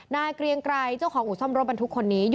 นายเกรียงไกรเจ้าของอุทธรรมบรรทุกคนนี้